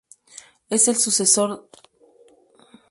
Es el sucesor del Citroën Visa y fue reemplazado por el Citroën Saxo.